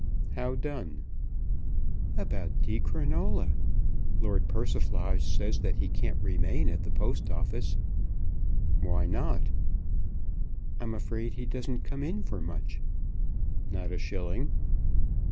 "How done?" "About Di Crinola? Lord Persiflage says that he can't remain in the Post Office." "Why not?" "I'm afraid he doesn't come in for much?" "Not a shilling."